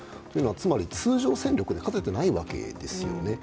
つまり通常戦力に勝てていないわけですよね。